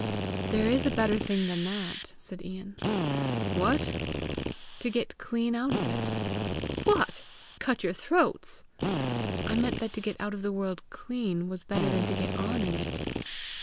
"There is a better thing than that," said Ian! "What?" "To get clean out of it." "What! cut your throats?" "I meant that to get out of the world clean was better than to get on in it."